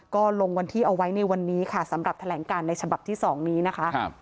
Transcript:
ก็ลงวันที่เอาไว้ในวันนี้ค่ะสำหรับแถลงการในฉบับที่๒นี้นะคะ